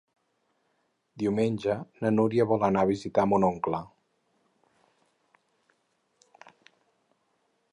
Diumenge na Núria vol anar a visitar mon oncle.